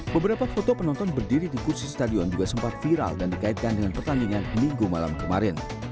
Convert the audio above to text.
beberapa foto penonton berdiri di kursi stadion juga sempat viral dan dikaitkan dengan pertandingan minggu malam kemarin